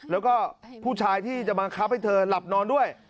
แล้วก็ผู้ชายที่จะบังคับให้เธอหลับนอนด้วย